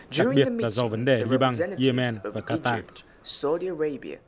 đặc biệt là do vấn đề liên bang yemen và qatar